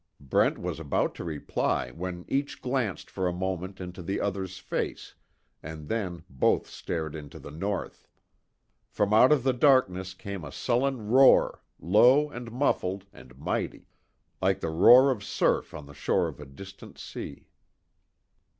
Brent was about to reply when each glanced for a moment into the other's face, and then both stared into the North. From out of the darkness came a sullen roar, low, and muffled, and mighty, like the roar of surf on the shore of a distant sea.